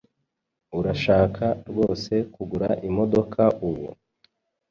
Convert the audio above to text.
Urashaka rwose kugura imodoka ubu?